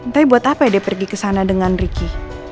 tapi buat apa dia pergi kesana dengan ricky